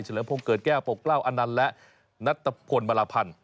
เลิมพงศเกิดแก้วปกเกล้าอนันต์และนัตตะพลมาลาพันธ์